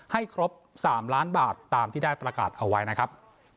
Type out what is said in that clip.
ให้ครบ๓ล้านบาทตามที่ได้ประกาศเอาไว้นะครับ